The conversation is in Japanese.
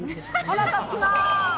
腹立つなあ！